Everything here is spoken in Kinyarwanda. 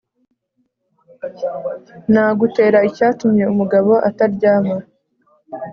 Nagutera icyatumye umugabo ataryama.